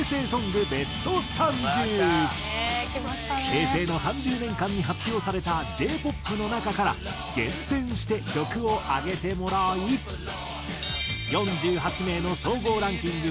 平成の３０年間に発表されたＪ−ＰＯＰの中から厳選して曲を挙げてもらい４８名の総合ランキング